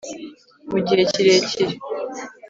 mu gihe kirekire